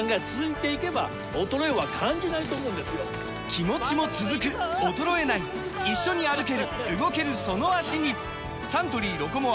気持ちも続く衰えない一緒に歩ける動けるその脚にサントリー「ロコモア」！